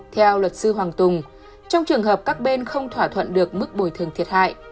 theo luật sư hoàng tùng trong trường hợp các bên không thỏa thuận được mức bồi thường thiệt hại